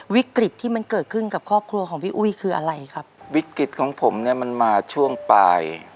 วิกฤตที่มันเกิดขึ้นกับครอบครัวของพี่อุ้ยคืออะไรครับวิกฤตของผมเนี้ยมันมาช่วงปลาย